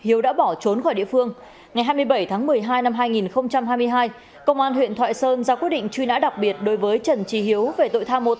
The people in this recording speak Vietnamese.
hiếu đã bỏ trốn khỏi địa phương ngày hai mươi bảy tháng một mươi hai năm hai nghìn hai mươi hai công an huyện thoại sơn ra quyết định truy nã đặc biệt đối với trần trí hiếu về tội tham mô